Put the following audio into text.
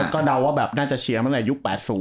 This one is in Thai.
ก็เดาว่าน่าจะเชียร์มันในยุค๘๐